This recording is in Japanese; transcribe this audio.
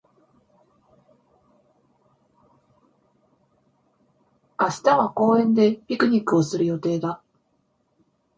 明日は公園でピクニックをする予定だ。